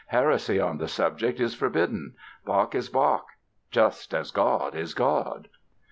"Heresy on the subject is forbidden; Bach is Bach, just as God is God!"